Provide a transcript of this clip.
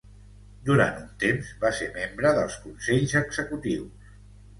Durant un temps, va ser membre dels consells executius.